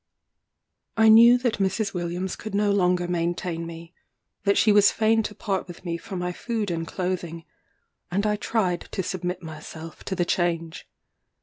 I knew that Mrs. Williams could no longer maintain me; that she was fain to part with me for my food and clothing; and I tried to submit myself to the change.